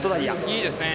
いいですね。